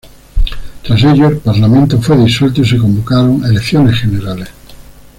Tras ello, el parlamento fue disuelto y se convocaron elecciones generales.